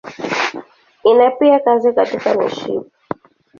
Ina pia kazi katika mishipa.